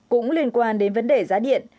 cũng liên quan đến vấn đề giá điện